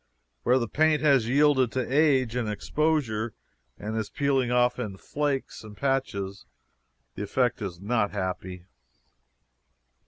Where the paint has yielded to age and exposure and is peeling off in flakes and patches, the effect is not happy.